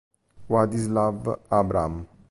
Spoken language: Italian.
Władysław Abraham